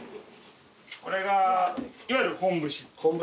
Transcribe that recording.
これがいわゆる本節。